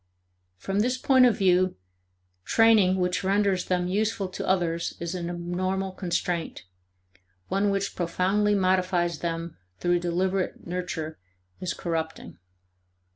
From this point of view training which renders them useful to others is an abnormal constraint; one which profoundly modifies them through deliberate nurture is corrupting.